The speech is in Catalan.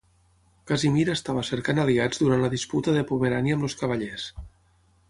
Casimir estava cercant aliats durant la disputa de Pomerània amb els Cavallers.